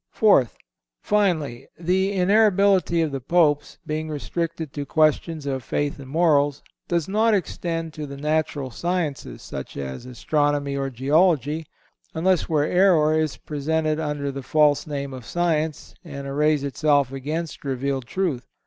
Fourth—Finally, the inerrability of the Popes, being restricted to questions of faith and morals, does not extend to the natural sciences, such as astronomy or geology, unless where error is presented under the false name of science, and arrays itself against revealed truth.